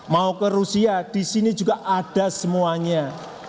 mau ke rusia di sini juga ada semuanya